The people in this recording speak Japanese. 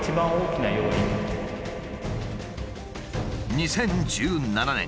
２０１７年